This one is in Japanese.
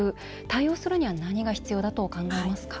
対応するには何が必要だと考えますか？